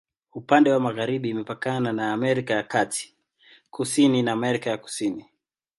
Upande wa magharibi imepakana na Amerika ya Kati, kusini na Amerika ya Kusini.